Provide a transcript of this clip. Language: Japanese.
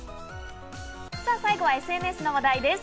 最後はＳＮＳの話題です。